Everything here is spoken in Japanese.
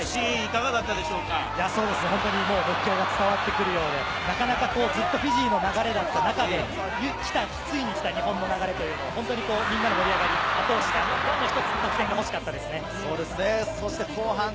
熱狂が伝わってくるようで、なかなかフィジーの流れだった中、ついに来た日本の流れをみんなの盛り上がり、あと１つ得点が欲しかったですね。